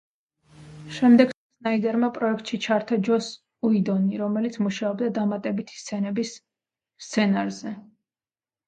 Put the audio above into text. შემდეგ სნაიდერმა პროექტში ჩართო ჯოს უიდონი, რომელიც მუშაობდა დამატებითი სცენების სცენარზე.